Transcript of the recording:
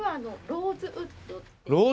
ローズウッド。